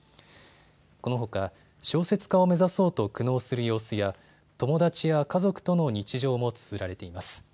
このほか小説家を目指そうと苦悩する様子や友達や家族との日常もつづられています。